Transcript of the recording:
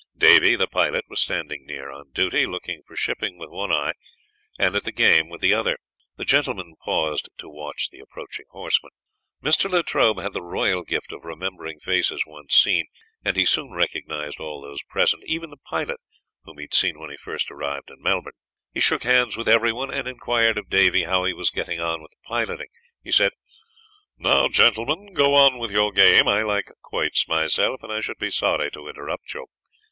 Davy, the pilot, was standing near on duty, looking for shipping with one eye and at the game with the other. The gentlemen paused to watch the approaching horsemen. Mr. Latrobe had the royal gift of remembering faces once seen; and he soon recognised all those present, even the pilot whom he had seen when he first arrived in Melbourne. He shook hands with everyone, and enquired of Davy how he was getting on with the piloting. He said: "Now gentlemen, go on with your game. I like quoits myself and I should be sorry to interrupt you."